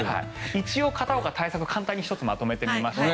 一応、対策を簡単に１つまとめてみました。